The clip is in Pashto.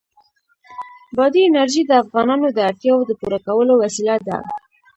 بادي انرژي د افغانانو د اړتیاوو د پوره کولو وسیله ده.